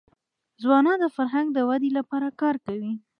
ځوانان د فرهنګ د ودي لپاره کار کوي.